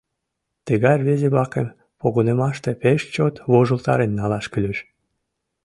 — Тыгай рвезе-влакым погынымаште пеш чот вожылтарен налаш кӱлеш.